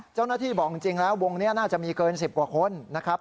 เจ้าหน้าที่บอกจริงแล้ววงนี้น่าจะมีเกิน๑๐กว่าคนนะครับ